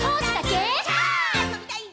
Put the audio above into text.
「あそびたいっ！」